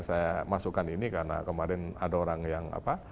saya masukkan ini karena kemarin ada orang yang apa